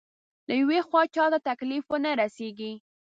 له يوې خوا چاته تکليف ونه رسېږي.